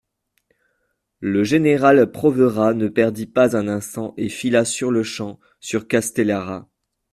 Le général Provera ne perdit pas un instant et fila sur-le-champ sur Castellara.